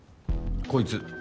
こいつ。